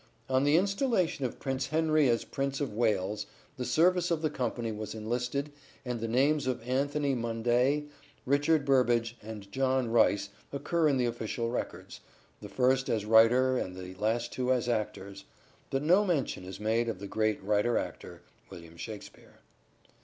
On the installation of Prince Henry as Prince of Wales the services of the company were enlisted and the names of Antony Munday, Richard Burbage, and John Rice occur in the official records, the first as writer and the last two as actors ; but no mention is made of the great writer actor William Shakspere.